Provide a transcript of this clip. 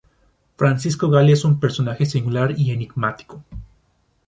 Francisco Gali es un personaje singular y enigmático.